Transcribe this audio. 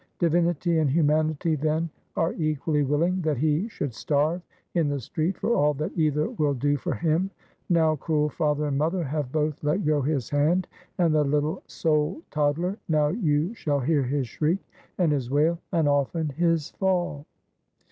Divinity and humanity then are equally willing that he should starve in the street for all that either will do for him. Now cruel father and mother have both let go his hand, and the little soul toddler, now you shall hear his shriek and his wail, and often his fall.